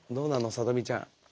さとみちゃん。